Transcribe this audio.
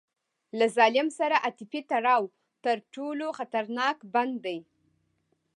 له ظالم سره عاطفي تړاو تر ټولو خطرناک بند دی.